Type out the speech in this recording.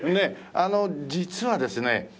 あの実はですね